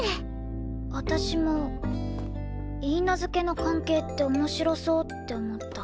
私も許嫁の関係って面白そうって思った。